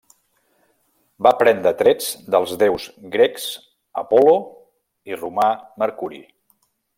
Va prendre trets dels déus grecs Apol·lo i romà Mercuri.